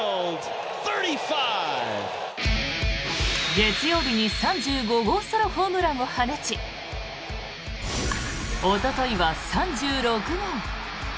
月曜日に３５号ソロホームランを放ちおとといは３６号。